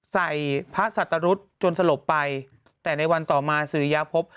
ใส่พระสัตรุษจนสลบไปแต่ในวันต่อมาสุริยาพบ